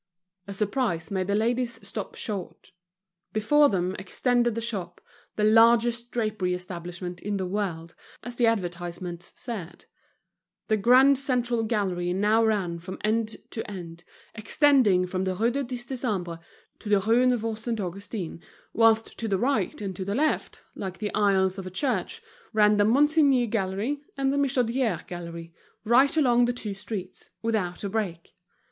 A surprise made the ladies stop short. Before them extended the shop, the largest drapery establishment in the world, as the advertisements said. The grand central gallery now ran from end to end, extending from the Rue du Dix Décembre to the Rue Neuve Saint Augustin; whilst to the right and to the left, like the aisles of a church, ran the Monsigny Gallery and the Michodière Gallery, right along the two streets, without a break.